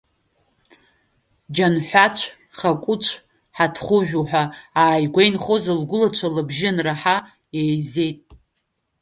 Џьанҳәацә, Хакәыцә, Ҳаҭхәыжә уҳәа ааигәа инхоз лгәылацәа лыбжьы анраҳа, еизеит.